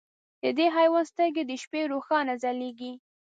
د دې حیوان سترګې د شپې روښانه ځلېږي.